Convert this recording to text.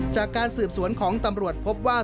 จากการสืบสวนของตำรวจพบว่า